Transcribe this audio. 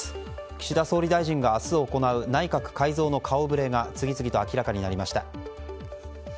岸田総理大臣が明日行う内閣改造の顔ぶれが次々と明らかになりました。